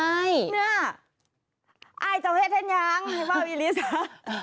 เนี่ยอ้ายเจ้าเหตุท่านยังหรือเปล่าวิลิสะ